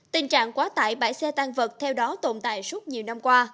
tình trạng quá tải bãi xe tan vật theo đó tồn tại suốt nhiều năm qua